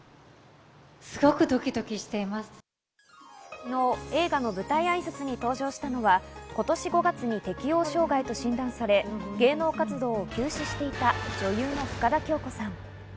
昨日、映画の舞台挨拶に登場したのは、今年５月に適応障害と診断され、芸能活動を休止していた女優の深田恭子さん。